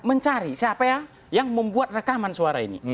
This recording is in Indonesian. mencari siapa yang membuat rekaman suara ini